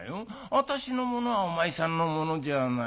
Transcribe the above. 私のものはお前さんのものじゃないか。